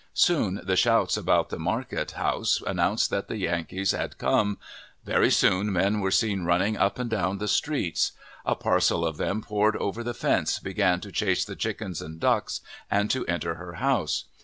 Soon the shouts about the markethouse announced that the Yankees had come; very soon men were seen running up and down the streets; a parcel of them poured over the fence, began to chase the chickens and ducks, and to enter her house.